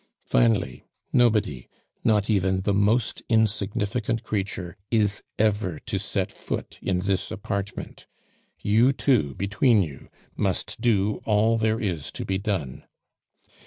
Finally, nobody, not even the most insignificant creature, is ever to set foot in this apartment. You two, between you, must do all there is to be done.